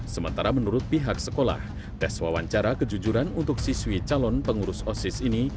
sementara menurut pihak sekolah tes wawancara kejujuran untuk siswi calon pengurus osis ini